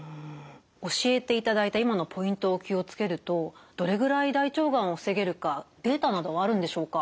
教えていただいた今のポイントを気を付けるとどれぐらい大腸がんを防げるかデータなどはあるんでしょうか？